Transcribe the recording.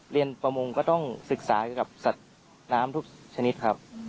เรียนประมงก็ต้องศึกษากับสัตว์น้ำทุกชนิดครับ